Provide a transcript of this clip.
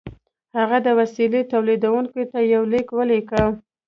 هغه د وسیلې تولیدوونکي ته یو لیک ولیکه